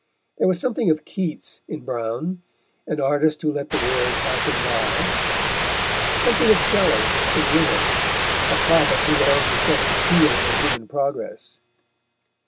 There was something of Keats in Browne, an artist who let the world pass him by; something of Shelley in Wither, a prophet who longed to set his seal on human progress.